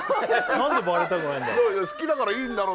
なんでバレたくないんだろう？